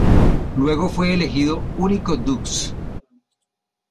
Luego fue elegido único dux.